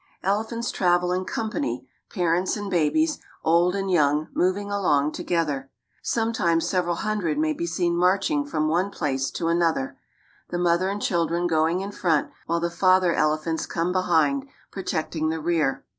Elephants travel in company, parents and babies, old and young, moving along together. Sometimes several hundred may be seen marching from one place to another, the mother and children going in front while the father elephants come behind, protecting the rear.